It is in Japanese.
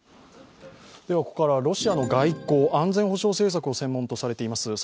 ここからはロシアの外交、安全保障政策を専門とされています